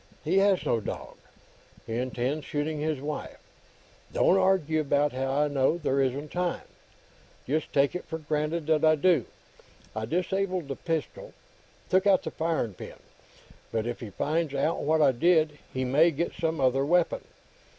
He has no dog. He intends shooting his wife. Don't argue about how I know; there isn't time. Just take it for granted that I do. I disabled the pistol took out the firing pin but if he finds out what I did, he may get some other weapon.